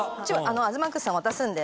東ＭＡＸさん渡すんで。